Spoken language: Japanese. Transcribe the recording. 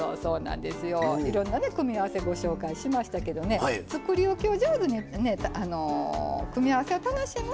いろんな組み合わせをご紹介しましたけどつくりおきを上手に組み合わせを楽しむ。